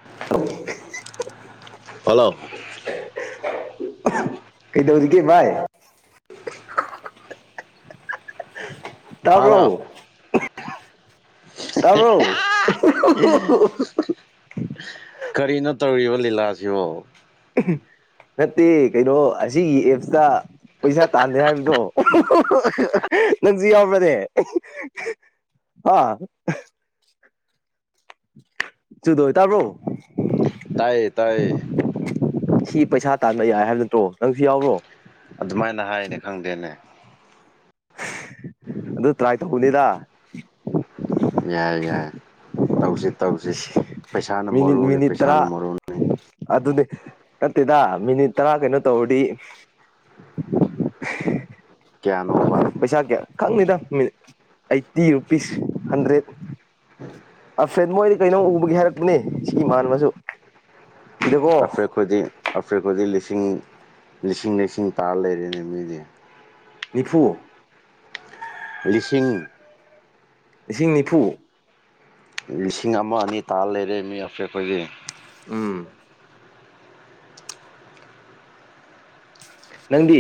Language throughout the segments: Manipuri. [unintelligible] ꯍꯂꯣ ꯀꯩꯗꯧꯔꯤꯒꯦ ꯚꯥꯏ ꯇꯥꯕ꯭ꯔꯣ ꯍꯥꯂꯣ ꯇꯥꯕ꯭ꯔꯣ [unintelligible] ꯀꯔꯤꯅꯣ ꯇꯧꯔꯤꯕ ꯂꯤꯂꯥꯁꯤꯕꯣ ꯅꯠꯇꯦ ꯀꯩꯅꯣ ꯑꯁꯤꯒꯤ ꯑꯦꯞꯁꯇꯥ ꯄꯩꯁꯥ ꯇꯥꯟꯗꯦ ꯍꯥꯏꯕꯗꯣ ꯅꯪꯁꯨ ꯌꯥꯎꯕ꯭ꯔꯅꯦ ꯑꯥ [unintelligible] ꯇꯥꯕ꯭ꯔꯣ ꯇꯥꯏꯌꯦ ꯇꯥꯏꯌꯦ ꯁꯤ ꯄꯩꯁꯥ ꯇꯥꯟꯕ ꯌꯥꯏ ꯍꯥꯏꯕ ꯅꯠꯇ꯭ꯔꯣ ꯅꯪꯁꯨ ꯌꯥꯎꯕ꯭ꯔꯣ ꯑꯗꯨꯃꯥꯏꯅ ꯍꯥꯏꯅꯦ ꯈꯪꯗꯦꯅꯦ ꯑꯗꯨ ꯇ꯭ꯔꯥꯏ ꯇꯧꯕꯅꯤꯗ ꯌꯥꯏ ꯌꯥꯏ ꯇꯧꯁꯤ ꯇꯧꯁꯤ ꯄꯩꯁꯥꯅ ꯃꯔꯨꯅꯤ ꯄꯩꯁꯥꯅ ꯃꯔꯨꯅꯤ ꯑꯗꯨꯅꯤ ꯅꯠꯇꯦꯗ ꯃꯤꯅꯤꯠ ꯇꯔꯥ ꯀꯩꯅꯣ ꯇꯧꯔꯗꯤ [inaudible] ꯀꯌꯥꯅꯣꯕ ꯄꯩꯁꯥ ꯀꯌꯥ ꯈꯪꯗꯦꯗ ꯃꯤ ꯑꯩꯠꯇꯤ ꯔꯨꯄꯤꯁ ꯍꯟꯗ꯭ꯔꯦꯠ [unintelligible] ꯃꯣꯏꯗꯤ ꯀꯩꯅꯣꯝ ꯎꯕꯒꯤ ꯍꯥꯏꯔꯛꯄꯅꯦ ꯁꯤ ꯏꯃꯥꯟꯅꯕꯁꯨ ꯁꯤꯗꯀꯣ ꯑꯐ꯭ꯔꯦꯠ ꯈꯣꯏꯗꯤ ꯑꯐ꯭ꯔꯦꯠ ꯈꯣꯏꯗꯤ ꯂꯤꯁꯤꯡ ꯂꯤꯁꯤꯡ ꯂꯤꯁꯤꯡ ꯇꯥꯜ ꯂꯩꯔꯦꯅꯦ ꯃꯤꯗꯤ ꯅꯤꯐꯨ ꯂꯤꯁꯤꯡ ꯂꯤꯁꯤꯡ ꯅꯤꯐꯨ ꯂꯤꯁꯤꯡ ꯑꯃ ꯑꯅꯤ ꯇꯥꯜ ꯂꯩꯔꯦ ꯃꯤ ꯑꯐ꯭ꯔꯦꯠ ꯈꯣꯏꯗꯤ ꯎꯝ ꯅꯪꯗꯤ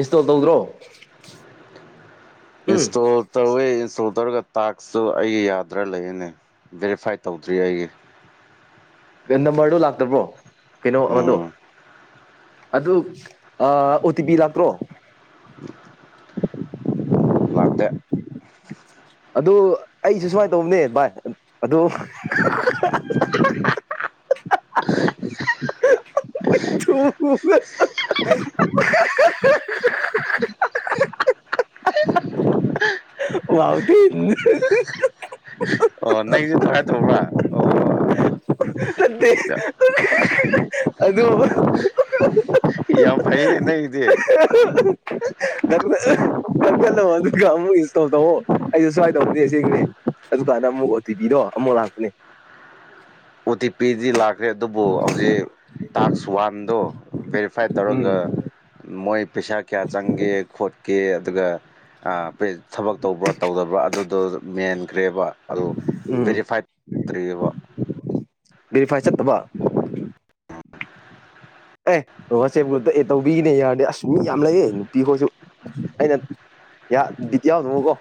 ꯏꯟꯁꯇꯣꯜ ꯇꯧꯗ꯭ꯔꯣ ꯏꯟꯁꯇꯣꯜ ꯇꯧꯋꯦ ꯏꯟꯁꯇꯣꯜ ꯇꯧꯔꯒ ꯇꯥꯛꯁꯇꯨ ꯑꯩꯒꯤ ꯌꯥꯗ꯭ꯔꯥ ꯂꯩꯔꯅꯤ ꯚꯦꯔꯤꯐꯥꯏ ꯇꯧꯗ꯭ꯔꯤ ꯑꯩꯒꯤ ꯀꯩ ꯅꯝꯕꯔꯗꯣ ꯂꯥꯛꯇꯕ꯭ꯔꯣ ꯀꯩꯅꯣ ꯑꯗꯣ ꯎꯝ ꯑꯗꯨ ꯑꯥ ꯑꯣ ꯇꯤ ꯄꯤ ꯂꯥꯛꯇ꯭ꯔꯣ ꯂꯥꯛꯇꯦ ꯑꯗꯨ ꯑꯩꯁꯨ ꯁꯨꯃꯥꯏꯅ ꯇꯧꯕꯅꯦ ꯚꯥꯏ ꯑꯗꯨ [unintelligible] [unintelligible] [unintelligible] ꯑꯣ ꯅꯪꯁꯨ ꯗꯥꯏ ꯇꯧꯕ꯭ꯔꯥ ꯑꯣ ꯑꯣ ꯅꯠꯇꯦ [unintelligible] ꯑꯗꯨ ꯌꯥꯝ ꯐꯩꯅꯦ ꯅꯪꯒꯤꯗꯤ [unintelligible] ꯅꯪꯅ ꯀꯛꯊꯠꯂꯣ ꯑꯗꯨꯒ ꯑꯃꯨꯛ ꯏꯟꯁꯇꯣꯜ ꯇꯧꯑꯣ ꯑꯩꯁꯨ ꯁꯨꯃꯋꯥꯏ ꯇꯧꯕꯅꯦ ꯑꯁꯦꯡꯀꯤꯅꯦ ꯑꯗꯨꯀꯥꯟꯗ ꯑꯃꯨꯛ ꯑꯣ ꯇꯤ ꯄꯤꯗꯣ ꯑꯃꯨꯛ ꯂꯥꯛꯄꯅꯦ ꯑꯣ ꯇꯤ ꯄꯤꯗꯤ ꯂꯥꯛꯈ꯭ꯔꯦ ꯑꯗꯨꯕꯨ ꯍꯧꯖꯤꯛ ꯇꯥꯛꯁ ꯋꯥꯟꯗꯣ ꯕꯦꯔꯤꯐ ꯐꯥꯏꯠ ꯇꯧꯔꯒꯥ ꯎꯝ ꯃꯣꯏ ꯄꯩꯁꯥ ꯀꯌꯥ ꯆꯪꯒꯦ ꯈꯣꯠꯀꯦ ꯑꯗꯨꯒ ꯑꯥ ꯄꯩ ꯊꯕꯛ ꯇꯧꯕ꯭ꯔꯥ ꯇꯧꯗꯕ꯭ꯔꯥ ꯑꯗꯨꯗꯣ ꯃꯦꯟꯈ꯭ꯔꯦꯕ ꯑꯗꯣ ꯎꯝ ꯎꯝ ꯚꯦꯔꯤꯐꯥꯏꯠ ꯇ꯭ꯔꯤꯕ [inaudible] ꯚꯦꯔꯤꯐꯥꯏꯠ ꯆꯠꯇꯕ ꯑꯦ ꯋꯥꯆꯦꯞ ꯒ꯭ꯔꯨꯞꯇ ꯑꯦꯗ ꯇꯧꯕꯤꯒꯦꯅꯦ ꯌꯥꯔꯗꯤ ꯑꯁ ꯃꯤ ꯌꯥꯝ ꯂꯩꯌꯦ ꯅꯨꯄꯤꯈꯣꯏꯁꯨ ꯑꯩꯅ ꯌꯥ ꯕꯤꯠ ꯌꯥꯎꯗꯕꯀꯣ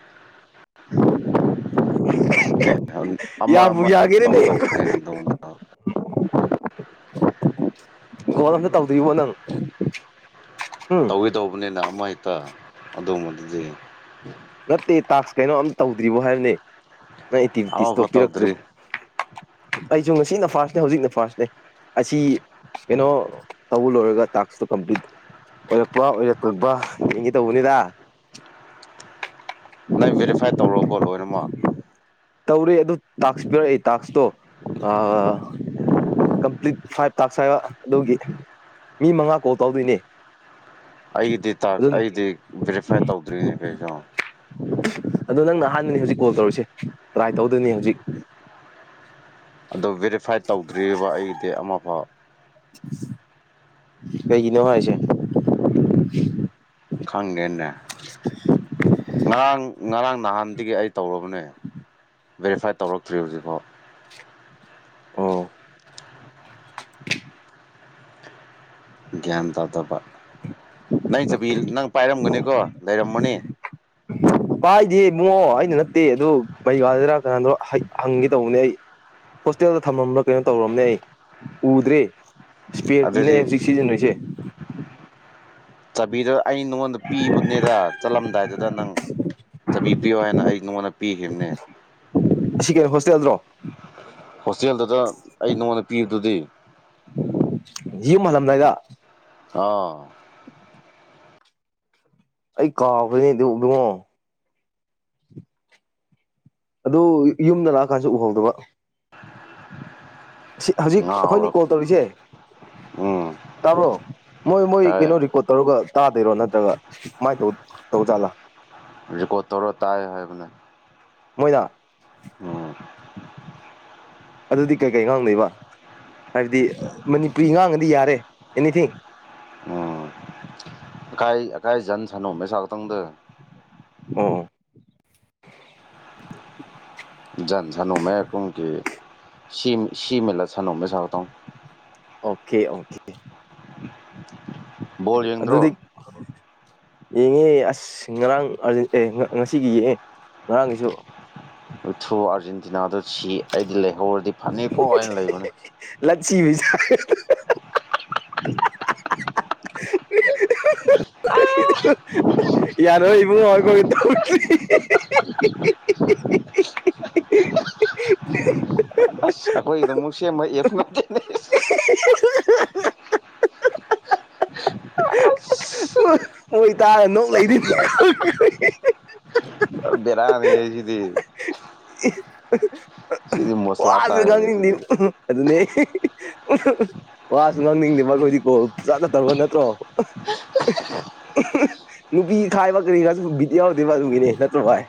ꯑꯦ [unintelligible] ꯑꯃ ꯌꯥꯕꯨ ꯑꯃ ꯌꯥꯒꯦꯔꯅꯦ ꯇꯧꯒꯦ ꯇꯧꯕꯅꯤꯅ ꯑꯗꯨꯗ ꯀꯣꯜ ꯑꯝꯇ ꯇꯧꯗꯤꯕꯣ ꯅꯪ ꯎꯝ ꯀꯨꯏꯗꯧꯕꯅꯤꯅ ꯑꯃ ꯍꯦꯛꯇ ꯑꯗꯨꯝꯕꯗꯨꯗꯤ ꯅꯠꯇꯦ ꯇꯥꯛꯁ ꯀꯩꯅꯣ ꯑꯝ ꯇꯧꯗ꯭ꯔꯤꯕꯣ ꯍꯥꯏꯕꯅꯦ ꯅꯪ ꯑꯦꯛꯇꯤꯚꯤꯇꯤꯁꯇꯣ ꯑꯃꯐꯥꯎ ꯇꯧꯗ꯭ꯔꯤ ꯄꯤꯔꯛꯇ꯭ꯔꯤꯕ ꯑꯩꯖꯨ ꯉꯁꯤꯅ ꯐꯥꯔꯁꯅꯦ ꯍꯧꯖꯤꯛꯅ ꯐꯥꯔꯁꯅꯦ ꯑꯁꯤ ꯀꯩꯅꯣ ꯇꯧꯕ ꯂꯣꯏꯔꯒ ꯇꯥꯛꯁꯇꯣ ꯀꯝꯄ꯭ꯂꯤꯠ ꯑꯣꯏꯔꯛꯄ꯭ꯔꯥ ꯑꯣꯏꯔꯛꯇꯕ꯭ꯔꯥ ꯌꯦꯡꯒꯦ ꯇꯧꯕꯅꯤꯗ ꯅꯪ ꯚꯦꯔꯤꯐꯥꯏꯠ ꯇꯧꯔꯕꯣ ꯂꯣꯏꯅꯃꯛ ꯇꯧꯔꯦ ꯑꯗꯨ ꯇꯥꯛꯁ ꯄꯤꯔꯛꯑꯦ ꯇꯥꯛꯁꯇꯣ ꯑꯥ ꯀꯝꯄ꯭ꯂꯤꯠ ꯐꯥꯏꯚ ꯇꯥꯛꯁ ꯍꯥꯏꯕ ꯑꯗꯨꯒꯤ ꯃꯤ ꯃꯉꯥ ꯀꯣꯜ ꯇꯧꯗꯣꯏꯅꯦ ꯑꯩꯒꯤꯗꯤ ꯇꯥꯛꯁ ꯑꯗꯨꯝ ꯑꯩꯗꯤ ꯚꯦꯔꯤꯐꯥꯏꯠ ꯇꯧꯗ꯭ꯔꯤꯅꯦ ꯀꯩꯅꯣ [unintelligible] ꯑꯗꯣ ꯅꯪꯅ ꯑꯍꯥꯟꯕꯅꯦ ꯍꯧꯖꯤꯛ ꯀꯣꯜ ꯇꯧꯔꯤꯁꯦ ꯇ꯭ꯔꯥꯏ ꯇꯧꯗꯣꯏꯅꯦ ꯍꯧꯖꯤꯛ ꯑꯗꯣ ꯚꯦꯔꯤꯐꯥꯏꯠ ꯇꯧꯗ꯭ꯔꯤꯑꯦꯕ ꯑꯩꯒꯤꯗꯤ ꯑꯃꯐꯥꯎ ꯀꯩꯒꯤꯅꯣ ꯍꯥꯏꯁꯦ ꯈꯪꯗꯦꯅꯦ ꯉꯔꯥꯡ ꯉꯔꯥꯡ ꯅꯍꯥꯟꯗꯒꯤ ꯑꯩ ꯇꯧꯔꯕꯅꯦ ꯚꯦꯔꯤꯐꯥꯏꯠ ꯇꯧꯔꯛꯇ꯭ꯔꯤ ꯍꯧꯖꯤꯛꯐꯥꯎ ꯑꯣ [inaudible] ꯒ꯭ꯌꯥꯟ ꯇꯥꯗꯕ ꯅꯪ ꯆꯕꯤ ꯑꯣꯀꯦ ꯅꯪ ꯄꯥꯏꯔꯝꯒꯅꯤꯀꯣ ꯂꯩꯔꯝꯃꯅꯤ ꯄꯥꯏꯗꯦ ꯏꯕꯨꯡꯉꯣ ꯑꯩꯩꯅ ꯅꯠꯇꯦ ꯑꯗꯨ [unintelligible] ꯀꯅꯥꯗꯣ ꯍꯩ ꯍꯪꯒꯦ ꯇꯧꯕꯅꯦ ꯑꯩ ꯍꯣꯁꯇꯦꯜꯗ ꯊꯝꯃꯝꯕ꯭ꯔꯥ ꯀꯩꯅꯣ ꯇꯧꯔꯝꯅꯦ ꯑꯩ ꯎꯗ꯭ꯔꯦ ꯁ꯭ꯄꯦꯔꯒꯤꯅꯦ ꯑꯗꯨꯗꯤ ꯍꯨꯖꯤꯛ ꯁꯤꯖꯤꯟꯅꯩꯁꯦ ꯆꯥꯕꯤꯗꯣ ꯑꯩ ꯅꯉꯣꯟꯗ ꯄꯤꯕꯅꯦꯗ ꯆꯠꯂꯝꯗꯥꯏꯗꯨꯗ ꯅꯪ ꯆꯥꯕꯤ ꯄꯤꯌꯣ ꯍꯥꯏꯅ ꯑꯩ ꯅꯉꯣꯟꯗ ꯄꯤꯈꯤꯝꯅꯦ ꯑꯁꯤ ꯀꯩꯒꯤ ꯍꯣꯁꯇꯦꯜꯗ꯭ꯔꯣ ꯍꯣꯁꯇꯦꯜꯗꯨꯗ ꯑꯩ ꯅꯉꯣꯟꯗ ꯄꯤꯗꯨꯗꯤ ꯌꯨꯝ ꯍꯜꯂꯝꯗꯥꯏꯗ ꯑꯥ ꯑꯩ ꯀꯥꯎꯒ꯭ꯔꯦꯍꯦ ꯑꯗꯨ ꯏꯕꯨꯉꯣ ꯑꯗꯨ ꯌꯨꯝꯗ ꯂꯥꯛꯑ ꯀꯥꯟꯁꯨ ꯎꯍꯧꯗꯕ ꯁꯤ ꯍꯧꯖꯤꯛ ꯑꯩꯈꯣꯏꯅꯤ ꯉꯥꯎꯔ ꯀꯣꯜ ꯇꯧꯔꯤꯖꯦ ꯎꯝ ꯇꯥꯕ꯭ꯔꯣ ꯃꯣꯏ ꯃꯣꯏ ꯀꯩꯅꯣ ꯇꯥꯏ ꯔꯤꯀꫭꯠ ꯇꯧꯔꯒ ꯇꯥꯗꯣꯏꯔꯣ ꯅꯠꯇ꯭ꯔꯒ ꯀꯨꯃꯥꯏ ꯇꯧ ꯇꯧꯖꯥꯠꯂꯥ ꯔꯦꯀꯣꯠ ꯇꯧꯔ ꯇꯥꯏ ꯍꯥꯏꯕꯅꯦ ꯃꯣꯏꯅ ꯎꯝ꯫ ꯑꯗꯨꯗꯤ ꯀꯩꯀꯩ ꯉꯥꯡꯗꯣꯏꯕ ꯍꯥꯏꯕꯗꯤ ꯃꯅꯤꯄꯨꯔꯤ ꯉꯥꯡꯉꯗꯤ ꯌꯥꯔꯦ ꯑꯦꯅꯤꯊꯤꯡ [unintelligible] ꯑꯣ [unintelligible] ꯑꯣꯀꯦ ꯑꯣꯀꯦ ꯕꯣꯜ ꯌꯦꯡꯗ꯭ꯔꯣ ꯑꯗꯨꯗꯤ ꯌꯦꯡꯉꯦ ꯑꯁ ꯉꯔꯥꯡ ꯑꯥꯔꯖꯦ ꯑꯦ ꯉ ꯉꯁꯤꯒꯤ ꯌꯦꯡꯑꯦ ꯉꯔꯥꯡꯒꯤꯁꯨ [unintelligible] ꯑꯥꯔꯖꯦꯟꯇꯤꯅꯥꯗꯣ ꯁꯤ ꯑꯩꯗꯤ ꯂꯩꯍꯧꯔꯗꯤ ꯐꯅꯤꯀꯣ ꯍꯥꯏꯅ ꯂꯩꯕꯅꯦ [unintelligible] [unintelligible] ꯌꯥꯔꯣꯏ ꯏꯕꯨꯡꯉꯣ ꯑꯈꯣꯏ [unintelligible] ꯑꯁ ꯑꯩꯈꯣꯏꯗ ꯑꯃꯨꯛ ꯁꯦꯝꯕ ꯑꯦꯞꯁ ꯅꯠꯇꯦ [unintelligible] ꯑꯥꯁ ꯍꯣꯏ ꯇꯥꯥꯔ ꯅꯣꯛ ꯂꯩꯗꯣꯏꯅꯦ [unintelligible] ꯄꯨꯔ ꯕꯦꯔꯥꯅꯤꯍꯦ ꯁꯤꯗꯤ ꯁꯤꯗꯤ ꯋꯥ ꯃꯣꯁꯂꯥ ꯑꯗꯨ ꯇꯥꯔꯦꯅꯦ ꯉꯥꯡꯅꯤꯡꯅꯤ ꯁꯤꯗꯤ ꯑꯗꯨꯅꯦ ꯑꯦ ꯍꯦ ꯍꯦ ꯋꯥꯁꯨ ꯉꯥꯡꯅꯤꯡꯗꯦꯕ ꯑꯩꯈꯣꯏꯗꯤ ꯀꯣꯜ ꯐꯆꯥꯅ ꯇꯧꯔꯕ ꯅꯠꯇ꯭ꯔꯣ [unintelligible] ꯅꯨꯄꯤ ꯈꯥꯏꯕ ꯀꯔꯤ ꯈꯔꯁꯨ ꯕꯤꯠ ꯌꯥꯎꯗꯦꯕ ꯑꯗꯨꯒꯤꯅꯤ ꯅꯠꯇ꯭ꯔꯣ ꯚꯥꯏ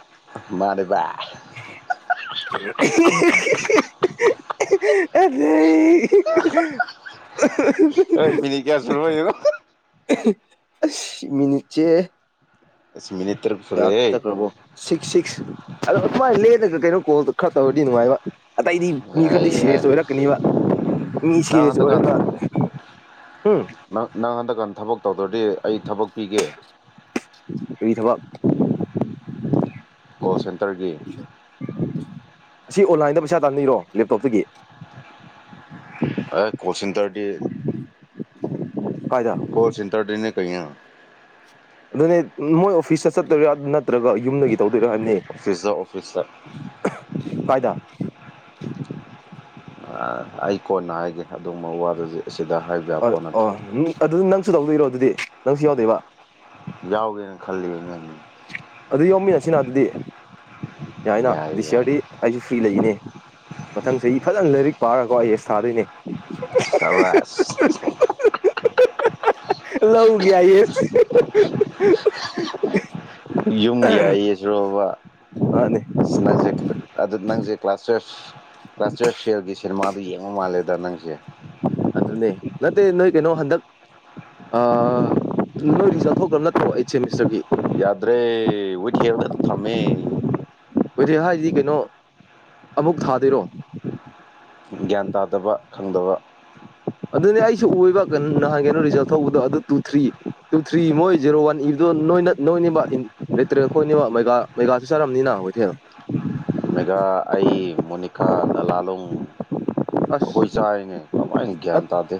ꯃꯥꯅꯦ ꯕꯥꯏ ꯑꯍꯤ ꯍꯤ ꯍꯤ [unintelligible] ꯑꯍꯥ ꯍꯣꯏ ꯑꯍꯥ ꯃꯤꯅꯤꯠ ꯀꯌꯥ ꯁꯨꯔꯕ ꯌꯦꯡꯉꯣ ꯑꯍ ꯑꯁ ꯃꯤꯅꯤꯠꯁꯦ ꯑꯁ ꯃꯤꯅꯤꯠ ꯇꯔꯨꯛ ꯀꯌꯥ ꯁꯨꯔꯦꯍꯦ ꯆꯠꯈ꯭ꯔꯕꯣ ꯁꯤꯛꯁ ꯁꯤꯛꯁ ꯑꯗꯣ ꯑꯗꯨꯃꯥꯏꯅ ꯂꯦꯂꯒ ꯀꯩꯅꯣ ꯀꯣꯜ ꯈꯔ ꯇꯧꯔꯗꯤ ꯅꯨꯡꯉꯥꯏꯕ ꯑꯇꯩꯗꯤ ꯃꯤ ꯌꯥꯏ ꯈꯔꯗꯤ ꯌꯥꯏ ꯁꯤꯔꯦꯁ ꯑꯣꯏꯔꯛꯀꯅꯤꯕ ꯃꯤ ꯅꯪ ꯁꯤꯔꯤꯌꯁ ꯍꯟꯗꯛꯀꯥꯟ ꯑꯣꯏꯔꯒ ꯎꯝ ꯅꯪ ꯅꯪ ꯍꯟꯗꯛ ꯀꯥꯟ ꯊꯕꯛ ꯇꯧꯗ꯭ꯔꯗꯤ ꯑꯩ ꯊꯕꯛ ꯄꯤꯒꯦ ꯀꯔꯤ ꯊꯥꯕꯛ ꯀꯣꯜ ꯁꯦꯟꯇꯔꯒꯤ ꯑꯁꯤ ꯑꯣꯟꯂꯥꯏꯟꯗ ꯄꯩꯁꯥ ꯇꯥꯟꯗꯣꯢꯔꯣ ꯂꯦꯞꯇꯣꯞꯇꯒꯤ ꯑꯦ ꯀꯣꯜ ꯁꯦꯟꯇꯔꯗꯤ ꯀꯥꯏꯗ ꯀꯣꯜ ꯁꯦꯟꯇꯔꯗꯤꯅꯦ ꯀꯩꯅꯣ ꯑꯗꯨꯅꯦ ꯃꯣꯏ ꯑꯣꯐꯤꯁꯇ ꯆꯠꯇꯣꯏꯔꯥ ꯅꯠꯇ꯭ꯔꯒ ꯌꯨꯝꯗꯒꯤ ꯇꯧꯗꯣꯏꯔꯣ ꯍꯥꯢꯃꯤ ꯑꯣꯐꯤꯁꯇ ꯑꯣꯐꯤꯁꯇ ꯀꯥꯏꯗ ꯑꯩ ꯀꯣꯟꯅ ꯍꯥꯏꯒꯦ ꯑꯗꯨꯒꯨꯝꯕ ꯋꯥꯗꯨ ꯑꯁꯤꯗ ꯍꯥꯏ ꯑꯣ ꯑꯣ ꯑꯗꯨꯗꯤ ꯅꯪꯁꯨ ꯇꯧꯗꯣꯏꯔꯣ ꯑꯗꯨꯗꯤ ꯅꯪꯁꯨ ꯌꯥꯎꯗꯣꯏꯕ ꯌꯥꯎꯒꯦꯅ ꯈꯜꯂꯤꯕꯅꯦ ꯑꯗꯨ ꯌꯥꯎꯃꯤꯟꯅꯁꯤꯅ ꯑꯗꯨꯗꯤ ꯌꯥꯏꯅ ꯌꯥꯏ ꯗꯤꯁ ꯌꯥꯏ ꯌꯥꯔꯗꯤ ꯑꯩꯁꯨ ꯐ꯭ꯔꯤ ꯂꯩꯅꯦ ꯃꯊꯪ ꯆꯍꯤ ꯐꯖꯅ ꯂꯥꯏꯔꯤꯛ ꯄꯥꯔꯒꯀꯣ ꯑꯩ ꯑꯦꯁ ꯊꯥꯗꯣꯏꯅꯦ ꯁꯥꯕꯥꯁ ꯂꯧꯒꯤ ꯑꯥꯏꯌꯦꯁ ꯌꯨꯝꯒꯤ ꯑꯩꯌꯦꯁ ꯂꯣꯕ ꯃꯥꯅꯦ ꯑꯁ ꯅꯪꯁꯦ ꯑꯗꯨ ꯅꯪꯁꯦ ꯀ꯭ꯂꯥꯁ ꯇꯨꯌꯦꯜꯞ ꯀ꯭ꯂꯥꯁ ꯇꯨꯌꯦꯜꯞ ꯐꯦꯜꯒꯤ ꯁꯤꯅꯦꯃꯥꯗꯨ ꯌꯦꯡꯉ ꯃꯥꯜꯂꯦꯗ ꯅꯪꯁꯦ ꯑꯗꯨꯅꯦ ꯅꯠꯇꯦ ꯅꯣꯏ ꯀꯩꯅꯣ ꯍꯟꯗꯛ ꯑꯥ ꯅꯣꯏ ꯔꯤꯖꯜ ꯊꯣꯛꯈ꯭ꯔꯕ ꯅꯠꯇ꯭ꯔꯣ ꯑꯩꯠ ꯁꯦꯃꯤꯁꯇꯔꯒꯤ ꯌꯥꯗ꯭ꯔꯦ ꯋꯤꯠ ꯍꯦꯜꯗ ꯑꯗꯨꯝ ꯊꯝꯃꯦ [unintelligible] ꯍꯥꯏꯗꯤ ꯀꯩꯅꯣ ꯑꯃꯨꯛ ꯊꯥꯗꯣꯏꯔꯣ ꯒ꯭ꯌꯥꯟ ꯇꯥꯗꯕ ꯈꯪꯗꯕ ꯑꯗꯨꯅꯦ ꯑꯩꯁꯨ ꯑꯣꯏꯕ ꯀ ꯅꯍꯥꯟꯒꯩꯅꯣ ꯔꯤꯖꯜ ꯊꯧꯕꯗꯣ ꯑꯗꯨ ꯇꯨ ꯊ꯭ꯔꯤ ꯇꯨ ꯊ꯭ꯔꯤ ꯃꯣꯏ ꯖꯦꯔꯣ ꯋꯥꯟ ꯏꯕꯗꯣ ꯅꯣꯏꯅ ꯅꯣꯏꯅꯤꯕ ꯂꯤꯇꯔꯦꯜ ꯈꯣꯏꯅꯤꯕ ꯚꯩꯚꯥ ꯚꯩꯚꯥꯁꯨ ꯆꯠꯂꯝꯅꯤꯅ ꯋꯤꯠꯍꯦꯜ ꯚꯩꯚꯥ ꯑꯩ ꯃꯣꯅꯤꯀꯥ ꯂꯂꯥꯂꯣꯡ ꯑꯁ ꯑꯈꯣꯏ ꯆꯥꯌꯦꯅꯦ ꯀꯃꯥꯏꯟ ꯒꯌꯥꯟ ꯇꯥꯗꯦ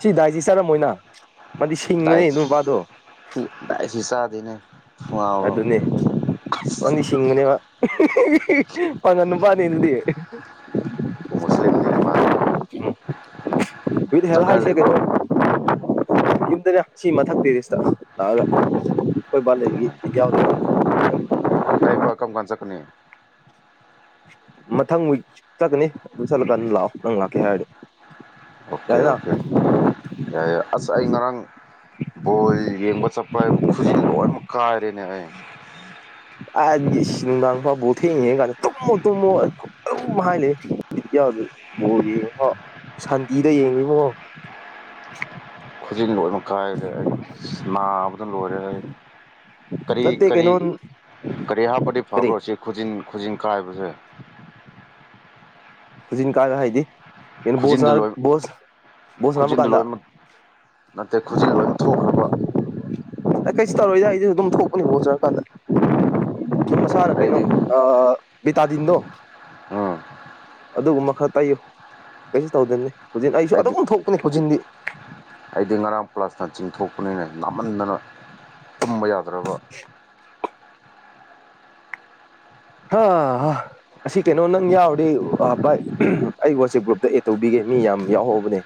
ꯁꯤ ꯗꯥꯏꯖꯤꯆꯥꯔ ꯃꯣꯏꯅ ꯃꯥꯗꯤ ꯁꯤꯡꯕꯅꯦ ꯗꯥꯏꯠ ꯅꯨꯄꯥꯗꯣ ꯗꯥꯏꯠꯁꯤ ꯆꯥꯗꯦꯅꯦ ꯑꯗꯨꯅꯦ ꯑꯥꯁ ꯃꯥꯗꯤ ꯁꯤꯡꯕꯅꯦꯕ ꯄꯥꯡꯉꯟ ꯅꯨꯄꯥꯅꯤ ꯑꯗꯨꯗꯤ ꯃꯨꯁꯂꯤꯝꯅꯤꯅꯦ ꯃꯥꯁꯦ ꯋꯤꯠ ꯅꯪ ꯍꯦꯜ ꯀꯥꯏ ꯍꯥꯏꯁꯤ ꯀꯩꯅꯣ ꯂꯩꯕ꯭ꯔꯣ ꯌꯨꯝꯗꯅꯦ ꯁꯤ ꯃꯊꯛꯇꯦꯔꯤꯁꯤꯇ ꯂꯥꯛꯑꯒ ꯑꯩꯈꯣꯏꯕꯥ ꯂꯩꯕꯒꯤ ꯕꯤꯠ ꯌꯥꯎꯗꯕ ꯅꯣꯢ ꯏꯄꯥ ꯀꯝ ꯀꯥꯟ ꯆꯠꯀꯅꯤ ꯃꯊꯪ ꯋꯤꯛ ꯆꯠꯀꯅꯤ ꯑꯗꯨ ꯆꯠꯂꯀꯥꯟꯗ ꯂꯥꯛꯑꯣ ꯅꯪ ꯂꯥꯛꯀꯦ ꯍꯥꯢꯔꯒꯗꯤ꯫ ꯑꯣꯀꯦ ꯑꯣꯀꯦ ꯌꯥꯏ ꯌꯥꯏ ꯑꯁ ꯑꯩ ꯉꯔꯥꯡ ꯕꯣꯜ ꯌꯦꯡꯕ ꯆꯠꯄꯔꯥ ꯍꯥꯏꯕꯨ ꯈꯨꯖꯤꯟ ꯂꯣꯏꯅꯃꯛ ꯀꯥꯏꯔꯦꯅꯦ ꯑꯩ ꯑꯥꯟꯒꯤ ꯏꯁ ꯅꯨꯡꯗꯥꯡꯐꯥꯎ ꯕꯣꯜ ꯊꯦꯡꯉꯥ ꯌꯦꯡꯉꯥꯀꯥꯟꯗ ꯇꯨꯝꯃꯣ ꯇꯨꯝꯃꯣ ꯑꯗꯨꯝ ꯍꯥꯏ ꯂꯩ ꯕꯤꯠ ꯌꯥꯎꯗ ꯕꯣꯜ ꯒꯥ ꯌꯦꯡꯐꯥꯎ ꯁꯥꯟꯇꯤꯗ ꯌꯦꯡꯉꯤ ꯏꯕꯨꯡꯉꯣ ꯈꯨꯖꯤꯟ ꯂꯣꯏꯃꯛ ꯀꯥꯏꯔꯦ ꯑꯩ ꯅꯥꯕꯗꯥ ꯂꯣꯏꯔꯦ ꯑꯩ ꯀꯔꯤ ꯅꯠꯇꯦ ꯀꯔꯤ ꯀꯩꯅꯣ ꯀꯔꯤ ꯍꯥꯞꯄꯗꯤ ꯀꯔꯤ ꯐꯕ꯭ꯔꯣ ꯁꯤ ꯈꯨꯖꯤꯟ ꯈꯨꯖꯤꯟ ꯀꯥꯏꯕꯁꯦ ꯈꯨꯖꯤꯟ ꯀꯥꯏꯕ ꯍꯥꯏꯗꯤ ꯀꯩꯅꯣ ꯕꯣꯜ ꯈꯨꯖꯤꯟꯗ ꯁꯥꯟꯅ ꯂꯣꯏ ꯕꯣꯜ ꯕꯣꯜ ꯁꯅꯥꯕ ꯈꯨꯖꯤꯟꯗ ꯀꯥꯟꯗꯥ ꯂꯣꯏꯅꯃꯛ ꯅꯠꯇꯦ ꯈꯨꯖꯤꯟ ꯂꯣꯏꯅꯃꯛ ꯊꯣꯛꯈ꯭ꯔꯕ ꯀꯩꯁꯨ ꯇꯧꯔꯣꯏꯗ ꯑꯩꯖꯨ ꯑꯗꯨꯝ ꯊꯣꯛꯄꯅꯦ ꯕꯣꯜ ꯁꯥꯟꯅꯕ ꯀꯥꯟꯗ ꯑꯗꯨꯨꯝ ꯃꯁꯥꯅ ꯀꯩꯅꯣ ꯑꯩꯗꯤ ꯑꯥ ꯕꯤꯇꯥꯗꯤꯟꯗꯣ ꯎꯝ ꯑꯗꯨꯒꯨꯝꯕ ꯈꯔ ꯇꯥꯏꯌꯨ ꯀꯩꯁꯨ ꯇꯧꯗꯕꯅꯤ ꯍꯧꯖꯤꯛ ꯑꯩꯁꯨ ꯑꯩꯗꯤ ꯑꯗꯨꯝ ꯊꯣꯛꯄꯅꯤ ꯈꯨꯖꯤꯟꯗꯤ ꯑꯩꯗꯤ ꯉꯔꯥꯡ ꯄ꯭ꯂꯥꯁꯅ ꯆꯤꯡꯊꯣꯛꯄꯅꯦ ꯅꯥꯃꯟꯗꯅ ꯇꯨꯝꯕ ꯌꯥꯗ꯭ꯔꯕ [inaudible] ꯍꯥꯥ ꯍꯥ ꯑꯁꯤ ꯀꯩꯅꯣ ꯅꯪ ꯌꯥꯎꯔꯗꯤ ꯕꯥꯏ ꯑꯩ ꯋꯥꯆꯦꯞ ꯒ꯭ꯔꯨꯞꯇꯥ ꯑꯦꯗ ꯇꯧꯕꯤꯒꯦ ꯃꯤ ꯌꯥꯝ ꯌꯥꯎꯍꯧꯕꯅꯦ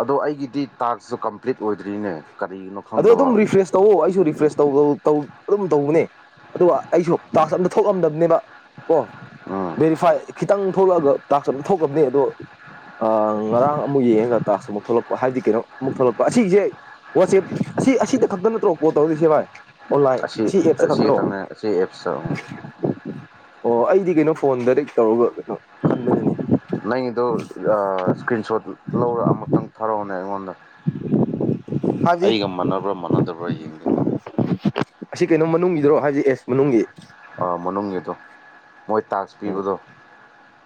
ꯑꯗꯣ ꯑꯩꯒꯤꯗꯤ ꯇꯥꯛꯁꯨ ꯀꯝꯄ꯭ꯂꯤꯠ ꯑꯣꯏꯗ꯭ꯔꯤꯅꯦ ꯀꯔꯤꯒꯤꯅꯣ ꯑꯗꯣ ꯈꯪꯗꯕ ꯑꯗꯨꯝ ꯔꯤꯐ꯭ꯔꯦꯁ ꯇꯧꯋꯣ ꯑꯩꯁꯨ ꯔꯤꯐ꯭ꯔꯦꯁ ꯇꯧꯕꯗꯣ ꯑꯗꯨꯝ ꯇꯧꯕꯅꯦ ꯑꯗꯨꯒ ꯑꯩꯁꯨ ꯇꯥꯛꯁ ꯑꯝꯇ ꯊꯣꯛꯂꯝꯗꯕꯅꯦꯕ ꯀꯣ ꯎꯝ ꯕꯦꯔꯤꯐꯥꯏ ꯈꯤꯇꯪ ꯊꯣꯛꯂꯛꯑꯒ ꯇꯥꯛꯁ ꯑꯗꯨꯝ ꯊꯣꯛꯇꯕꯅꯦ ꯑꯗꯣ ꯉꯔꯥꯡ ꯑꯃꯨꯛ ꯌꯦꯡꯉꯒ ꯇꯥꯛꯁ ꯑꯃꯨꯛ ꯊꯣꯛꯂꯛꯄ ꯍꯥꯏꯕꯗꯤ ꯀꯩꯅꯣ ꯑꯃꯨꯛ ꯊꯣꯛꯂꯛꯄ ꯑꯁꯤꯁꯦ ꯋꯥꯆꯦꯞ ꯑꯁꯤ ꯑꯁꯤꯗ ꯈꯛꯇ ꯅꯠꯇ꯭ꯔꯣ ꯀꯣꯜ ꯇꯧꯗꯨꯏ ꯁꯦ ꯕꯥꯏ ꯑꯣꯟꯂꯥꯏꯟ ꯑꯁꯤ ꯁꯤ ꯑꯦꯞ ꯁꯦ ꯑꯁꯤ ꯅꯠꯇ꯭ꯔꯣ ꯈꯤꯇꯪꯅꯦ ꯑꯁꯤ ꯑꯦꯞꯁꯇ ꯎꯝ ꯑꯣ ꯑꯩꯗꯤ ꯀꯩꯅꯣ ꯐꯣꯟ ꯗꯥꯏꯔꯦꯛ ꯇꯧꯔꯒ ꯀꯩꯅꯣ ꯈꯟꯕꯅꯤꯅꯦ ꯅꯪꯒꯤꯗꯣ ꯑꯥ ꯁꯀ꯭ꯔꯤꯟ ꯁꯣꯠ ꯂꯧꯔ ꯑꯃꯨꯛꯇꯪ ꯊꯥꯔꯛꯑꯣꯅꯦ ꯑꯩꯉꯣꯟꯗ ꯍꯥꯏꯕꯗꯤ ꯑꯩꯒ ꯃꯥꯟꯅꯕ꯭ꯔꯥ ꯃꯥꯟꯅꯗꯕ꯭ꯔꯥ ꯌꯦꯡꯒꯦ ꯑꯁꯤ ꯀꯩꯅꯣ ꯃꯅꯨꯡꯒꯤꯗꯨꯔꯣ ꯍꯥꯏꯗꯤ ꯑꯦꯁ ꯃꯅꯨꯡꯒꯤ ꯑꯥ ꯃꯅꯨꯡꯒꯤꯗꯣ ꯃꯣꯏ ꯇꯥꯛꯁ ꯎꯝ ꯄꯤꯕꯗꯣ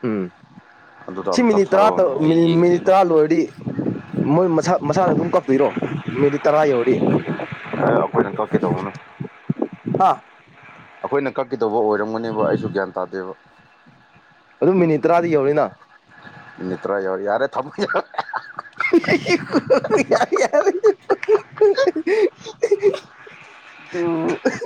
ꯎꯝ ꯑꯗꯨꯗꯣ ꯁꯤ ꯑꯝꯇ ꯃꯤꯅꯤꯠ ꯇꯔꯥ ꯊꯥꯔꯛꯑꯣꯅꯦ ꯑꯩ ꯃꯤꯅꯤꯠ ꯌꯦꯡꯒꯦꯕ ꯇꯔꯥ ꯂꯣꯏꯔꯗꯤ ꯃꯣꯏ ꯃꯁꯥ ꯃꯁꯥꯅ ꯑꯗꯨꯝ ꯀꯥꯛ ꯇꯨꯏꯔꯣ ꯃꯤꯅꯤꯠ ꯇꯔꯥ ꯌꯧꯔꯗꯤ ꯑꯦ ꯑꯩꯈꯣꯏꯅ ꯀꯛꯀꯦꯗꯧꯕꯅꯨ ꯍꯥ ꯑꯩꯈꯣꯏꯅ ꯀꯥꯛꯀꯦꯗꯧꯕ ꯑꯣꯏꯔꯝꯒꯅꯦꯕ ꯑꯩꯁꯨ ꯒ꯭ꯌꯥꯟ ꯇꯥꯗꯦꯕ ꯑꯗꯨꯝ ꯃꯤꯅꯤꯠ ꯇꯔꯥꯗꯤ ꯌꯧꯔꯤꯅ ꯃꯤꯅꯤꯠ ꯇ꯭ꯔꯥ ꯌꯧꯔꯦ ꯌꯥꯔꯦ ꯊꯝꯃꯣ ꯌꯥꯔꯦ ꯌꯥꯔꯦ ꯌꯥꯔꯦ ꯑꯗꯨ